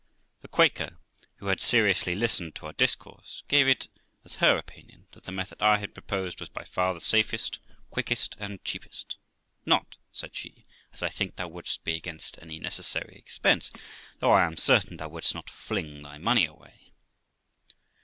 The Quaker, who had seriously listened to our discourse, gave it as her opinion that the method I had proposed was by far the safest, quickest, and cheapest. 'Not', said she, 'as I think thou wouldest be against any necessary expense, though I am certain thou wouldest not fling thy money away.'